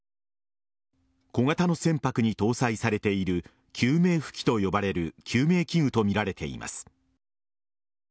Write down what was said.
小型の船舶に搭載されている救命浮器と呼ばれる救命器具とみられています。